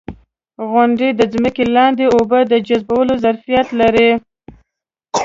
• غونډۍ د ځمکې لاندې اوبو د جذبولو ظرفیت لري.